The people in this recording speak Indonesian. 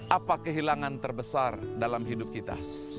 apa kehilangan terbesar dalam hidup kita